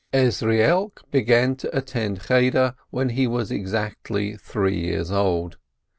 220 LEENEE Ezrielk began to attend Cheder when he was exactly three years old.